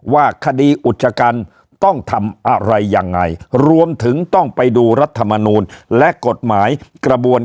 ว่าคดีอุจจกรรมต้องทำอะไรยังไงรวมถึงต้องไปดูรัฐมนูลและกฎหมายกระบวน